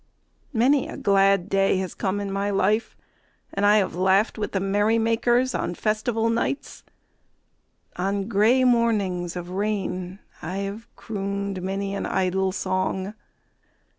Many a glad day has come in my life, and I have laughed with merrymakers on festival nights. On grey mornings of rain I have crooned many an idle song.